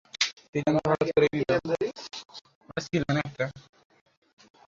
সিদ্ধান্ত হঠাৎ করেই নিলাম।